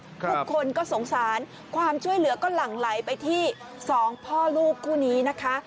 ทุกคนก็สงสารความช่วยเหลือก็หลั่งไหลไปที่สองพ่อลูกคู่นี้นะคะ